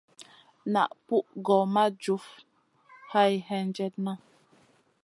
Naʼ pug gor ma jufma hay hendjena.